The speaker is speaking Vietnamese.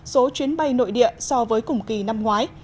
số chuyến bay nội địa so với cùng kỳ năm ngoái